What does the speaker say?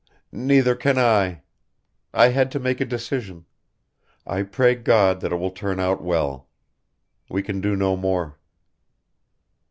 "Neither can I. I had to make a decision. I pray God that it will turn out well. We can do no more."